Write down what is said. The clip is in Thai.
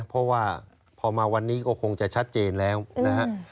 เพราะว่าพอมาวันนี้ก็คงจะชัดเจนแล้วนะฮะ